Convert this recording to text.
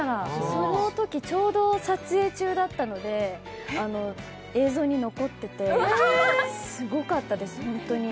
そのときちょうど撮影中だったので、映像に残っててすごかったです、ホントに。